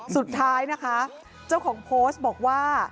สุดท้ายนะคะเจ้าของโพสต์บอกว่า